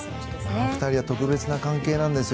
この２人は特別な関係なんですよ。